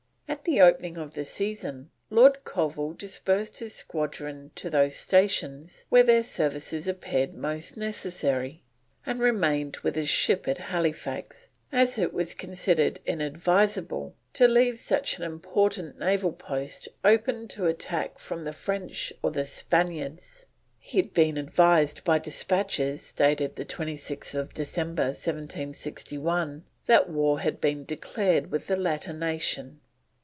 At the opening of the season, Lord Colville dispersed his squadron to those stations where their services appeared most necessary, and remained with his ship at Halifax, as it was considered inadvisable to leave such an important naval post open to attack from the French or the Spaniards. He had been advised by despatches, dated 26th December 1761, that war had been declared with the latter nation.